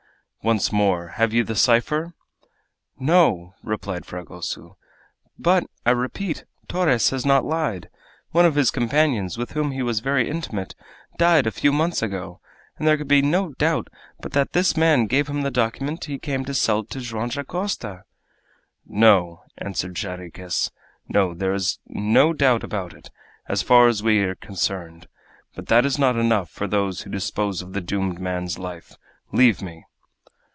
"Once more, have you the cipher?" "No," replied Fragoso; "but, I repeat, Torres has not lied. One of his companions, with whom he was very intimate, died a few months ago, and there can be no doubt but that this man gave him the document he came to sell to Joam Dacosta." "No," answered Jarriquez "no, there is no doubt about it as far as we are concerned; but that is not enough for those who dispose of the doomed man's life. Leave me!"